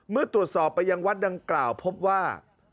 เมื่อตรวจสอบไปยังวัดดังกล่าวพบว่า